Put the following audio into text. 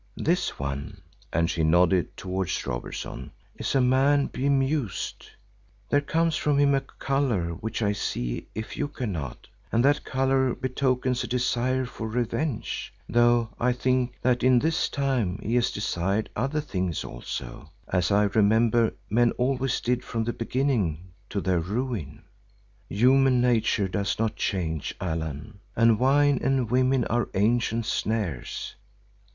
This one," and she nodded towards Robertson, "is a man bemused. There comes from him a colour which I see if you cannot, and that colour betokens a desire for revenge, though I think that in his time he has desired other things also, as I remember men always did from the beginning, to their ruin. Human nature does not change, Allan, and wine and women are ancient snares.